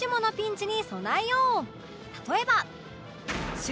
例えば